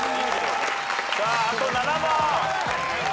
さああと７問。